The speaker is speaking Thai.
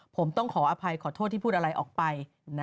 ผมต้องขออภัยขอโทษที่พูดอะไรออกไป